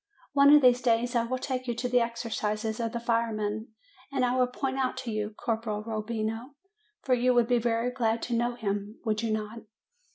One of these days I will take you to the exercises of the firemen, and I will point out to you Corporal Rob bino ; for you would be very glad to know him, would you not?"